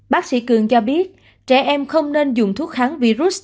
bác sĩ cường cho biết trẻ em không nên dùng thuốc kháng virus